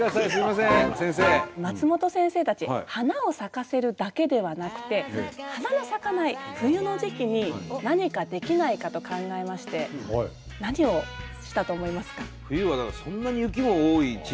松本先生たち花を咲かせるだけではなくて花の咲かない冬の時期に何かできないかと考えまして何をしたと思いますか？